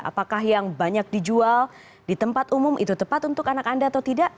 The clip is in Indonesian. apakah yang banyak dijual di tempat umum itu tepat untuk anak anda atau tidak